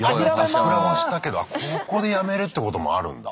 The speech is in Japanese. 膨らましたけどここでやめるってこともあるんだ。